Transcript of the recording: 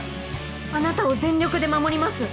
あなたを全力で守ります。